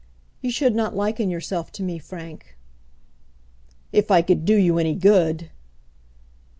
You should not liken yourself to me, Frank." "If I could do you any good!"